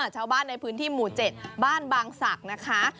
ชาวบ้านในพื้นที่หมู่๗บ้านบางศักดิ์นะคะ